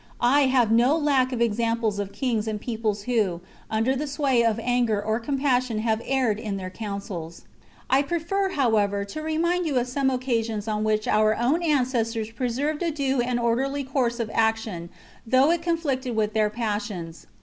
I have no lack of examples of kings and peoples who, under the sway of anger or compassion have erred in their counsels. I prefer, however, to remind you of some occasions on which our own ancestors preserved a due and orderly course of action though it conflicted with their passions.